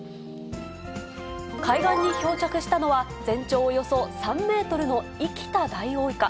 海岸に漂着したのは、全長およそ３メートルの生きたダイオウイカ。